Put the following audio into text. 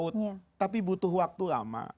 tapi butuh waktu lama